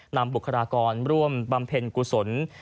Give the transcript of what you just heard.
บุคลากรร่วมบำเพ็ญกุศล